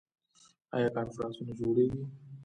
آیا کنفرانسونه جوړیږي؟